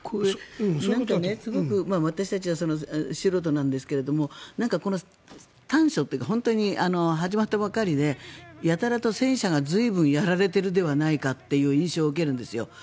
なんか、すごく私たちは素人なんですけど端緒というか本当に始まったばかりでやたらと戦車が随分やられているではないかという印象を受けるんですよ。